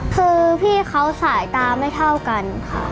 คือพี่เขาสายตาไม่เท่ากันค่ะ